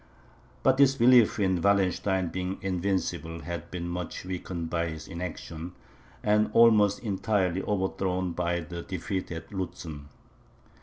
But this belief in Wallenstein's being invincible, had been much weakened by his inaction, and almost entirely overthrown by the defeat at Lutzen.